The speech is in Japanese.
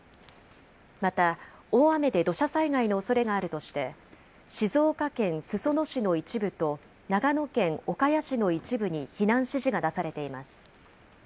また、大雨で土砂災害のおそれがあるとして、静岡県裾野市の一部と長野県岡谷市の一部に避難指示が出されています。